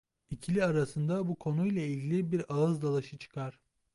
İkili arasında bu konuyla ilgili bir ağız dalaşı çıkar.